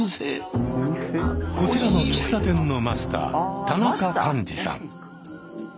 こちらの喫茶店のマスター田中完枝さん。